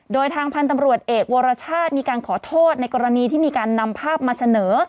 โดยทางพันธ์ตำรวจเอกวรชาติมีการขอโทษในกรณีที่มีการนำภาพมาเสนอ